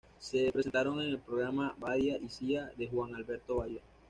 Se presentaron en el programa "Badía y Cía" de Juan Alberto Badía.